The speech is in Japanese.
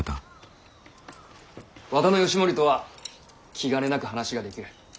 和田義盛とは気兼ねなく話ができる。